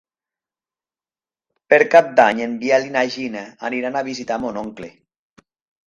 Per Cap d'Any en Biel i na Gina aniran a visitar mon oncle.